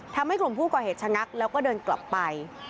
ทำให้กลุ่มผู้ก่อเหตุชะงักแล้วก็เดินกลับไป